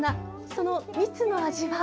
その蜜の味は。